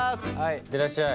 行ってらっしゃい。